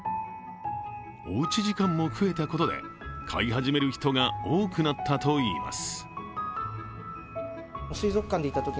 おうち時間も増えたことで飼い始める人が多くなったといいます。